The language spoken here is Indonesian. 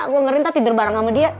gue ngerintah tidur bareng sama dia